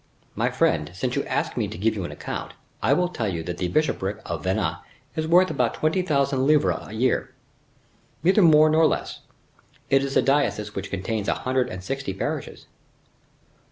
"My friend, since you ask me to give you an account, I will tell you that the bishopric of Vannes is worth about twenty thousand livres a year, neither more nor less. It is a diocese which contains a hundred and sixty parishes."